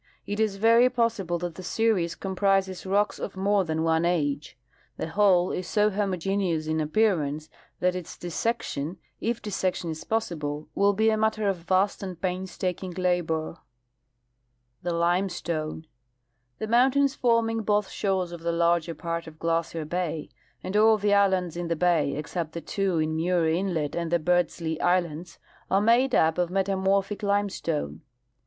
It is very possi ble that the series comprises rocks of more than one age. The whole is so homogeneous in appearance that its dissection, if dissection is possible, will ha a matter of vast and painstaking labor. The Limestone. — The mountains forming both shores of the larger part of Glacier bay, and all the islands in the bay except the two in Muir inlet and the Beardslee islands, are made up of metamorphic limestone.